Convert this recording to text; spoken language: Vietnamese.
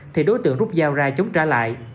thì đối tượng rút dao ra chống trả lại